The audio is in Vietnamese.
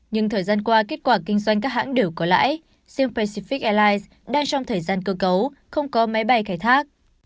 nhưng thời gian qua kết quả kinh doanh các hãng đều có lãi sim pacific airlines đang trong thời gian cơ cấu không có máy bay khai thác